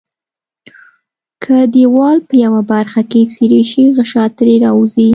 که دیوال په یوه برخه کې څیري شي غشا ترې راوځي.